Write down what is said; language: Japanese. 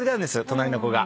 隣の子が。